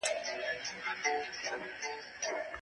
ټولنیز عدالت پراختیا موندلې وه.